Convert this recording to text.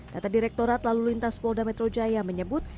data direktorat lalu lintas polda metro jaya menyebut